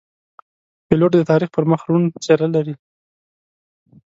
پیلوټ د تاریخ پر مخ روڼ څېره لري.